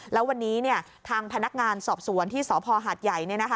แล้ววันนี้ทางพนักงานสอบสวนที่สพหาดใหญ่